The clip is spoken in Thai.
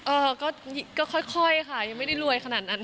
เออก็ค่อยค่ะยังไม่ได้รวยขนาดนั้น